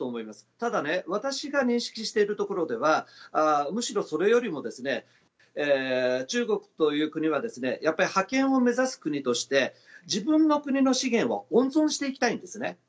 ただ私が認識しているところではむしろ、それよりも中国という国は覇権を目指す国として自分の国の資源を温存していきたいんですね。